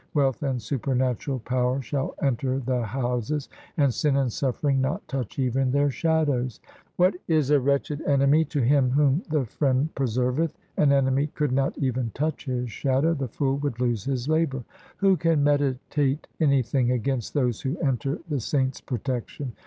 Wealth and supernatural power shall enter their houses, And sin and suffering not touch even their shadows. What is a wretched enemy 1 to him whom the Friend preserveth ? An enemy could not even touch his shadow ; the fool would lose his labour. Who can meditate anything against those who enter the Saint's protection